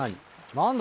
何だ？